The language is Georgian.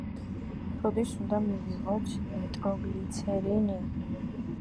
როდის უნდა მივიღოთ ნიტროგლიცერინი?